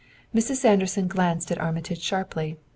Mrs. Sanderson glanced at Armitage sharply.